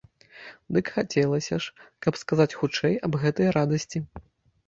Дык хацелася ж, каб сказаць хутчэй аб гэтай радасці.